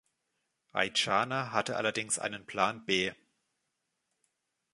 Eychaner hatte allerdings einen Plan B.